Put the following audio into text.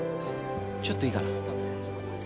ちょっといいかな？